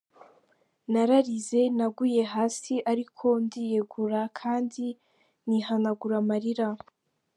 Nararize, naguye hasi ariko ndiyegura kandi nihanagura amarira.